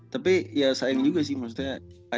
tapi ya sayang juga sih maksudnya